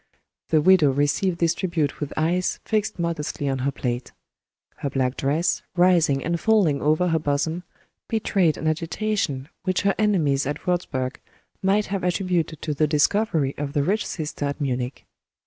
The widow received this tribute with eyes fixed modestly on her plate. Her black dress, rising and falling over her bosom, betrayed an agitation, which her enemies at Wurzburg might have attributed to the discovery of the rich sister at Munich.